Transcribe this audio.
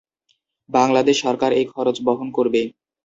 বাংলাদেশ সরকার এই খরচ বহন করবে।